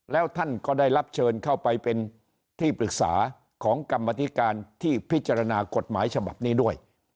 แล้วท่านก็ได้รับเชิญเข้าไปเป็นที่ปรึกษาของกรรมธิการที่พิจารณากฎหมายฉบับนี้ด้วย